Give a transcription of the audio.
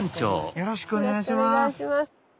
よろしくお願いします。